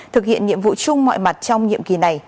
thực hiện nhiệm vụ chung mọi mặt trong nhiệm kỳ này